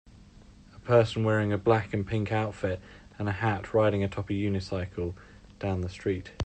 a person wearing a black and pink outfit and hat riding atop a unicycle down the street.